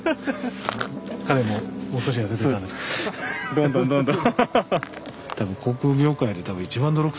どんどんどんどん。